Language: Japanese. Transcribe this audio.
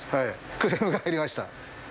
クレームが入りました。